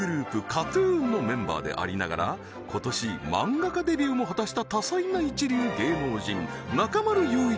ＫＡＴ−ＴＵＮのメンバーでありながら今年漫画家デビューも果たした多彩な一流芸能人中丸雄一